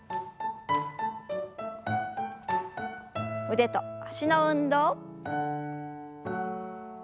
腕と脚の運動。